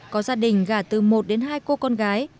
có gia đình gà từ một đến hai cô con gái